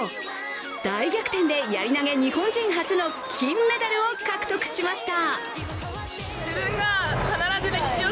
大逆転でやり投げ日本人初の金メダルを獲得しました。